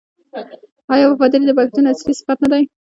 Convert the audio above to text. آیا وفاداري د پښتون اصلي صفت نه دی؟